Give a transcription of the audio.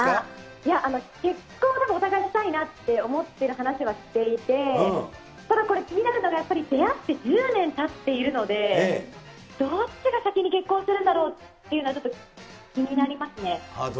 いや、結婚はちょっとお互いしたいなって思ってる話はしていて、ただこれ、気になるのが、やっぱり出会って１０年たっているので、どっちが先に結婚するんだろうっていうのは、気になりますね。